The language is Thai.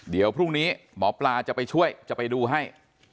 เดี๋ยวพรุ่งนี้หมอปลาจะไปช่วยจะไปดูให้